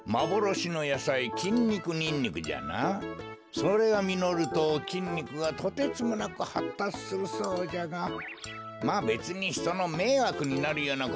それがみのるときんにくがとてつもなくはったつするそうじゃがまあべつにひとのめいわくになるようなことはあるまい。